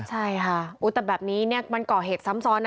ใช่ค่ะแต่แบบนี้เนี่ยมันก่อเหตุซ้ำซ้อนนะ